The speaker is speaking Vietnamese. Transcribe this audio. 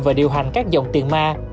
và điều hành các dòng tiền ma